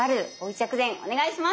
薬膳お願いします。